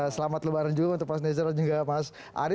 selamat lebaran juga untuk mas nezar dan juga mas ari